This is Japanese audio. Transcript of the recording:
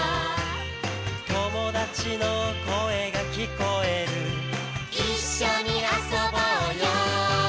「友達の声が聞こえる」「一緒に遊ぼうよ」